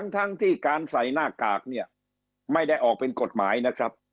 ทั้งที่การใส่หน้ากากเนี่ยไม่ได้ออกเป็นกฎหมายนะครับ